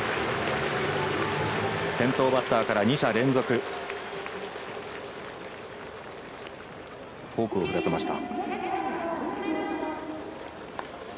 先頭バッターから２者連続フォークを振らせました。